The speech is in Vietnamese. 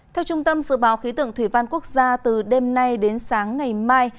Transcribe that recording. theo trung tâm dự báo khí tượng thủy văn quốc gia từ đêm nay đến sáng ngày mai